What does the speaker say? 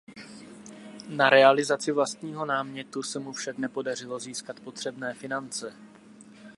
Na realizaci vlastního námětu se mu však nedařilo získat potřebné finance.